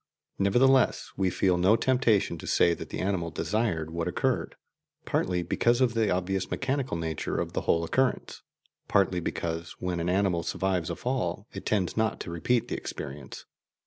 Nevertheless, we feel no temptation to say that the animal desired what occurred, partly because of the obviously mechanical nature of the whole occurrence, partly because, when an animal survives a fall, it tends not to repeat the experience.